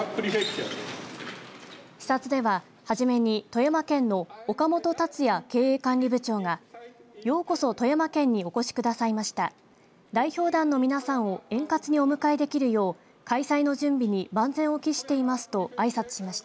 視察では初めに富山県の岡本達也経営管理部長がようこそ富山県にお越しくださいました。